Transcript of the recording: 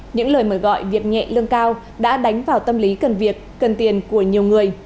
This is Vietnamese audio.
những lời mời gọi việc nhẹ lương cao đã đánh vào tâm lý cần việc cần tiền của nhiều người